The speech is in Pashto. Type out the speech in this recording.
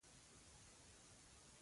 لمسی د پلار تر څنګ وده کوي.